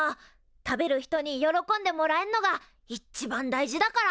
食べる人に喜んでもらえんのが一番大事だから。